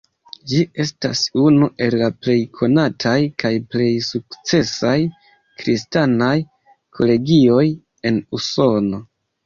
Ĝi estas unu el la plej konataj kaj plej sukcesaj kristanaj kolegioj en Usono.